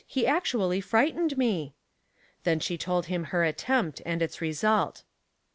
He actually frightened me." Then she told him her attempt and its result.